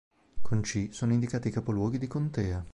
Con C sono indicati i capoluoghi di contea.